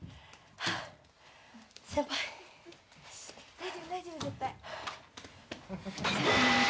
大丈夫大丈夫絶対。